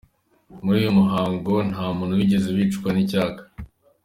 Muri uyu muhango nta muntu wigeze wicwa n'icyaka.